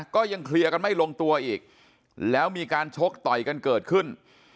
ก็ยังเคลียร์กันไม่ลงตัวอีกแล้วมีการชกต่อยกันเกิดขึ้น